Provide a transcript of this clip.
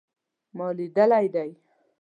ما لیدلی دی